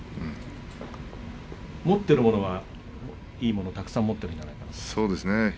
持ってるものはいいものをたくさん持ってるということです